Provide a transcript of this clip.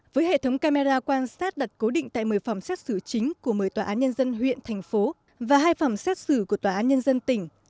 với hệ thống camera quan sát đặt cố định tại một mươi phòng xét xử chính của một mươi tòa án nhân dân huyện thành phố và hai phòng xét xử của tòa án nhân dân tỉnh